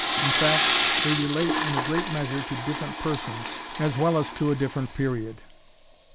In fact, they relate in a great measure to different persons, as well as to a different period."